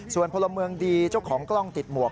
ส่วนพลเมืองดีเจ้าของกล้องติดหมวก